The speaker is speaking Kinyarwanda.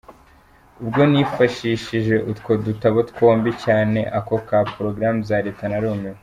Ubwo nifashishije utwo dutabo twombi, cyane ako ka porogaramu za leta, ‘ narumiwe’ .